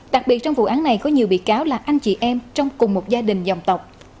đặc biệt trong vụ án này có nhiều bị cáo là anh chị em trong cùng một gia đình dòng tộc